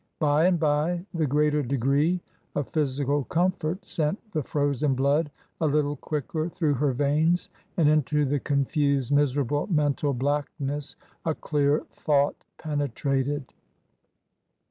By and bye the greater degree of physical comfort sent the frozen blood a little quicker through her veins ; and into the confused miserable mental blackness a clear thought penetrated.